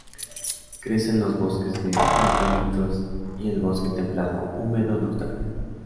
Crece en los bosques de eucaliptos y el bosque templado húmedo en Australia.